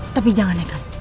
tapi jangan nekat